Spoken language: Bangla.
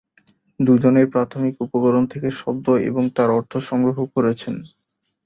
দুজনেই প্রাথমিক উপকরণ থেকে শব্দ এবং তার অর্থ সংগ্রহ করেছেন।